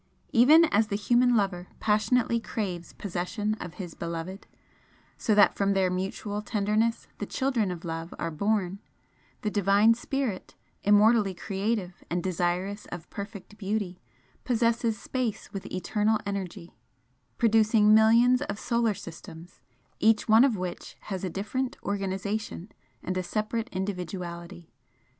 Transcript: Even as the human lover passionately craves possession of his beloved, so that from their mutual tenderness the children of Love are born, the Divine Spirit, immortally creative and desirous of perfect beauty, possesses space with eternal energy, producing millions of solar systems, each one of which has a different organisation and a separate individuality.